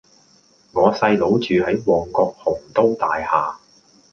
我細佬住喺旺角鴻都大廈